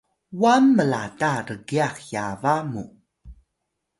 wan mlata rgyax yaba mu